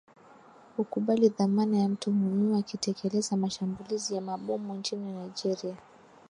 ukubali dhamana ya mtuhumiwa alitekeleza mashambulizi ya mabomu nchini nigeria